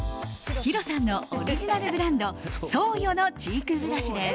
ヒロさんのオリジナルブランドＳＯＹＯのチークブラシです。